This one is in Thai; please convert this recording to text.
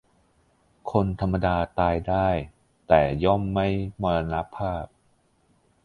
คนธรรมดาตายได้ แต่ย่อมไม่มรณภาพ